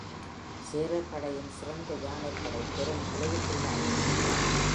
சேரர் படையின் சிறந்த யானைப்படை பெரும் அழிவுக்குள்ளாயிற்று.